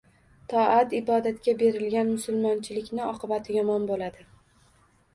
Toat-ibodatga berilgan musulmonchilikni oqibati yomon bo‘ladi.